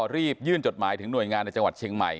รีบยื่นจดหมายถึงหน่วยงานในจังหวัดเชียงใหม่